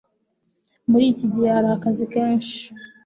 Muri iki gihe hari akazi kenshi.